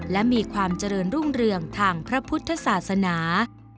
และมีความเจริญรุ่งเรืองทางพระพุทธศาสนา